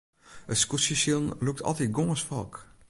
It skûtsjesilen lûkt altyd gâns folk.